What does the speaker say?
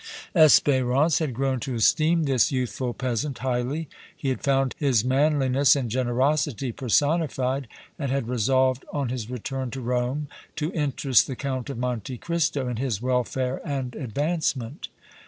Espérance had grown to esteem this youthful peasant highly; he had found him manliness and generosity personified and had resolved, on his return to Rome, to interest the Count of Monte Cristo in his welfare and advancement.